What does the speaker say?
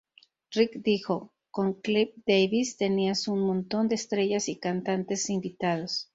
Rick dijo: Con Clive Davis, tenías un montón de estrellas y cantantes invitados.